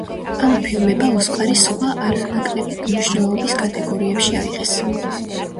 ამ ფილმებმა „ოსკარი“ სხვა, არანაკლები მნიშვნელობის კატეგორიებში აიღეს.